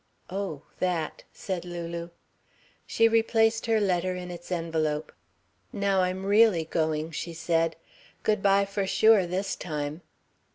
"Oh, that ..." said Lulu. She replaced her letter in its envelope. "Now I'm really going," she said. "Good bye for sure this time...."